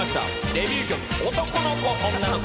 デビュー曲「男の子女の子」。